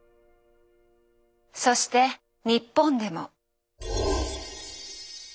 そして日本でも。